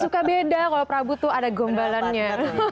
suka beda kalau prabu tuh ada gombalannya